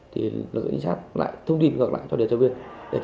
thì lực chính sát lại thông tin cho lực chính sát